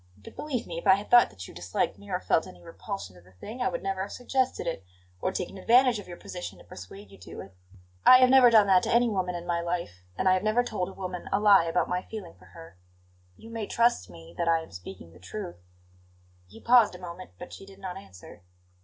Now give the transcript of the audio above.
But believe me, if I had thought that you disliked me, or felt any repulsion to the thing, I would never have suggested it, or taken advantage of your position to persuade you to it. I have never done that to any woman in my life, and I have never told a woman a lie about my feeling for her. You may trust me that I am speaking the truth " He paused a moment, but she did not answer.